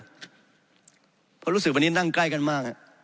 เพราะรู้สึกวันนี้นั่งใกล้กันมาก